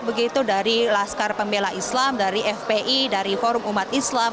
begitu dari laskar pembela islam dari fpi dari forum umat islam